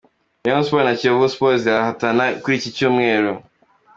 Rayon Sport na Kiyovu Sport zirahatana kuri icyi cyumweru.